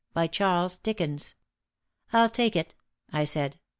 By Charles Dickens." "I'll take it," I said.